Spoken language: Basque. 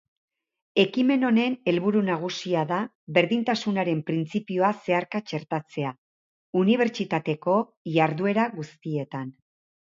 Ekimen honen helburu nagusia da berdintasunaren printzipioa zeharka txertatzea, unibertsitateko iharduera guztietan.